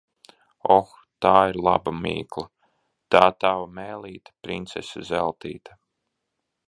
Oh, tā ir laba mīkla! Tā tava mēlīte, princese Zeltīte.